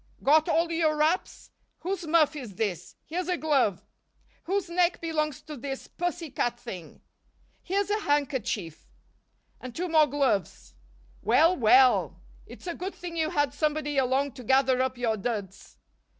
Got all your wraps? Whose muff is this? Here's a glove. Whose neck belongs to this pussy cat thing? Here's a handkerchief and two more gloves Well, well! It's a good thing you had somebody along to gather up your duds.